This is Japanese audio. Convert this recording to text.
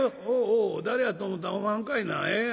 「おうおう誰やと思うたらおまはんかいな。